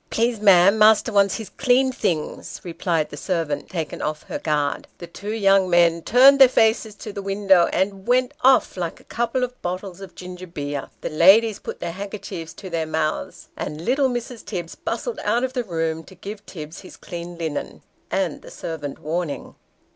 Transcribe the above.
" Please, ma'am, master wants his clean things," replied the servant, taken off her guard. The two young men turned their faces to the window, and " went off " like a couple of bottles of ginger beer ; the A superannuated Beau. 209 ladies put their handkerchiefs to their mouths ; and little Mrs. Tibbs bustled out of the room to give Tibbs his clean linen, and the servant warning.